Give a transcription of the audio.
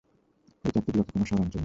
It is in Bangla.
এই চারটি ব্লকে কোনো শহরাঞ্চল নেই।